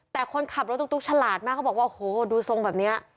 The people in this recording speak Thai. แต่คนขับรถตุ๊กฉลาดมากเขาบอกว่าโอ้โหดูทรงแบบนี้